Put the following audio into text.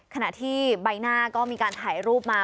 ขณะที่ใบหน้าก็มีการถ่ายรูปมา